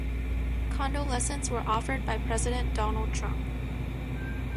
Condolences were offered by President Donald Trump.